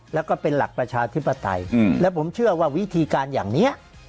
แล้วก็เป็นหลักประชาธิปไตยและผมเชื่อว่าวิธีการอย่างนี้